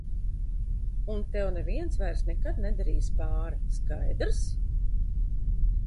Un tev neviens vairs nekad nedarīs pāri, skaidrs?